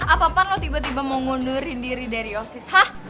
apa apa lo tiba tiba mau ngundurkan diri dari osis hah